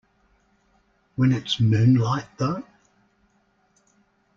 When it's moonlight, though?